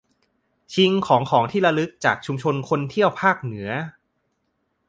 ชิงของของที่ระลึกจากชุมชนคนเที่ยวภาคเหนือ